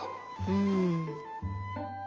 うん。